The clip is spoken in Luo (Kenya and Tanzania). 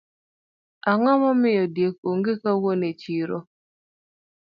Ango momiyo diek onge kawuono e chiro